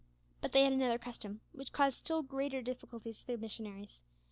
But they had another custom which caused still greater difficulties to the missionaries.